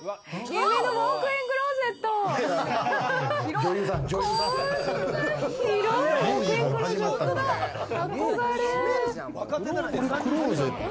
夢のウォークインクローゼット！